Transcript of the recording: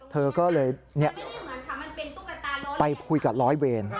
เธอก็เลยไปคุยกับร้อยเวร